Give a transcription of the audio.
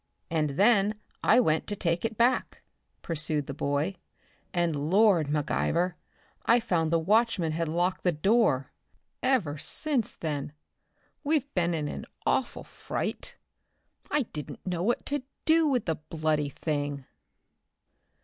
"And then I went to take it back," pursued the boy. "And, Lord, McIver, I found the watchman had locked the door. Ever since then we've been in an awful fright. I didn't know what to do with the bloody thing."